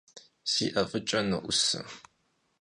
Si 'e f'ıç'e no'use!